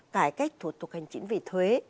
cải cách thuật thuộc hành chính về thuế